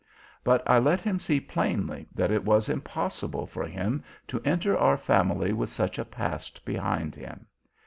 But I let him see plainly that it was impossible for him to enter our family with such a past behind him.